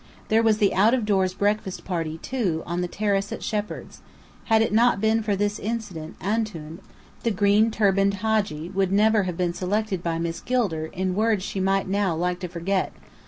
There was the out of doors breakfast party, too, on the terrace at Shepheard's. Had it not been for this incident Antoun, the green turbaned Hadji, would never have been selected by Miss Gilder, in words she might now like to forget.